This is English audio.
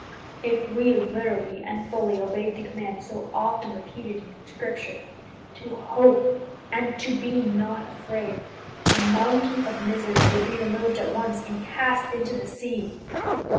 If we literally and fully obeyed the command so often repeated in Scripture, to hope and to be not afraid, a mountain of misery would be removed at once and cast into the sea.